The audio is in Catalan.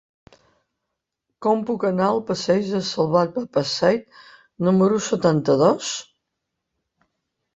Com puc anar al passeig de Salvat Papasseit número setanta-dos?